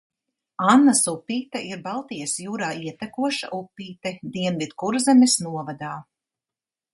Annas upīte ir Baltijas jūrā ietekoša upīte Dienvidkurzemes novadā.